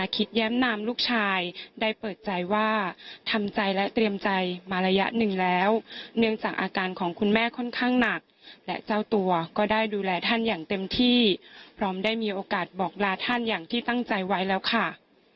แย้มนามลูกชายได้เปิดใจว่าทำใจและเตรียมใจมาระยะหนึ่งแล้วเนื่องจากอาการของคุณแม่ค่อนข้างหนักและเจ้าตัวก็ได้ดูแลท่านอย่างเต็มที่พร้อมได้มีโอกาสบอกลาท่านอย่างที่ตั้งใจไว้แล้วค่ะ